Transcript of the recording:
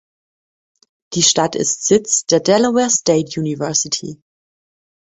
Die Stadt ist Sitz der Delaware State University.